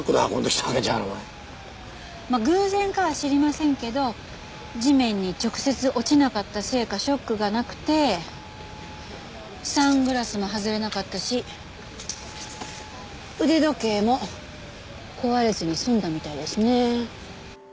まあ偶然かは知りませんけど地面に直接落ちなかったせいかショックがなくてサングラスも外れなかったし腕時計も壊れずに済んだみたいですね。